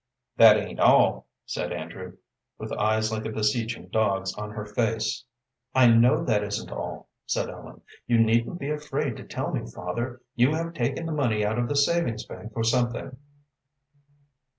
"That ain't all," said Andrew, with eyes like a beseeching dog's on her face. "I know that isn't all," said Ellen. "You needn't be afraid to tell me, father. You have taken the money out of the savings bank for something."